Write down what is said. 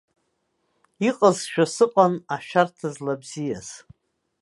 Иҟазшәа сыҟан ашәарҭа злабзиаз.